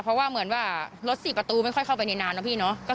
เพราะว่าลดสี่ประตูไม่ค่อยเข้าไปแน่นะพี่เนาะ